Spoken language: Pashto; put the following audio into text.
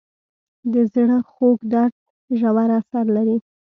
د زړه خوږ درد ژور اثر لري.